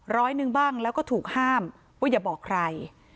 ร้อยหนึ่งบ้างแล้วก็ถูกห้ามว่าอย่าบอกใคร